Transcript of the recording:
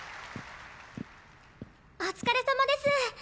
お疲れさまです！